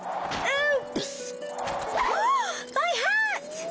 うん！